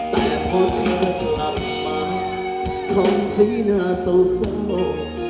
แต่พอเธอกลับมาท้องสีหน้าเศร้าเศร้า